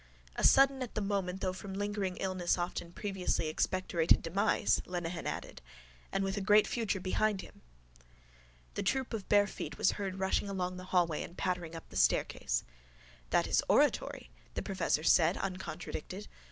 —A—sudden—at—the—moment—though—from—lingering—illness—often—previously— expectorated—demise, Lenehan added. And with a great future behind him. The troop of bare feet was heard rushing along the hallway and pattering up the staircase. —That is oratory, the professor said uncontradicted.